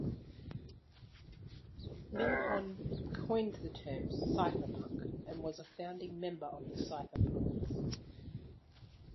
Milhon coined the term cypherpunk and was a founding member of the cypherpunks.